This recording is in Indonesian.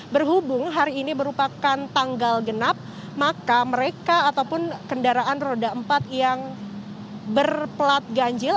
berhubung hari ini merupakan tanggal genap maka mereka ataupun kendaraan roda empat yang berplat ganjil